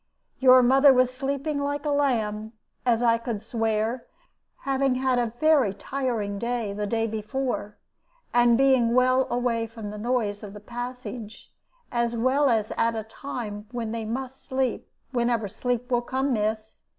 Your mother was sleeping like a lamb, as I could swear, having had a very tiring day the day before, and being well away from the noise of the passage, as well as at a time when they must sleep whenever sleep will come, miss.